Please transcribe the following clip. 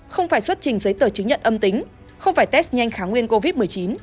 không phải xuất trình giấy tờ chứng nhận âm tính không phải test nhanh kháng nguyên covid một mươi chín